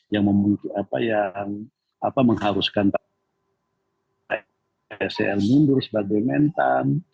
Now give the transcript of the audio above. yang mengharuskan pak sel mundur sebagai mentan